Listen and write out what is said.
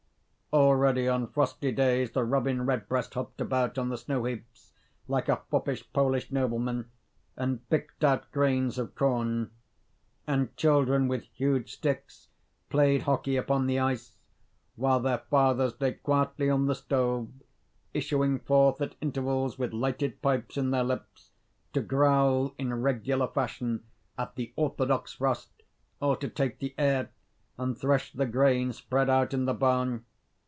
Already on frosty days the robin redbreast hopped about on the snow heaps like a foppish Polish nobleman, and picked out grains of corn; and children, with huge sticks, played hockey upon the ice; while their fathers lay quietly on the stove, issuing forth at intervals with lighted pipes in their lips, to growl, in regular fashion, at the orthodox frost, or to take the air, and thresh the grain spread out in the barn.